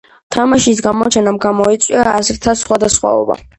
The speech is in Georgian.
თამაშის გამოჩენამ გამოიწვია აზრთა სხვადასხვაობა.